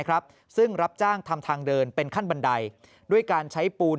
ครับซึ่งรับจ้างทำทางเดินเป็นขั้นบันไดด้วยการใช้ปูน